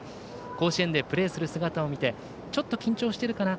甲子園でプレーする姿を見てちょっと緊張しているかな